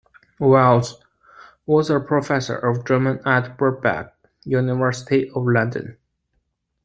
Wells, was a Professor of German at Birkbeck, University of London.